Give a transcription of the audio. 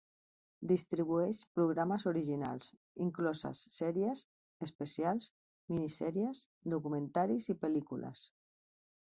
Distribueix programes originals, incloses sèries, especials, minisèries, documentaris i pel·lícules.